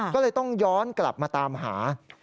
ก็เลยต้องย้อนกลับมาตามหา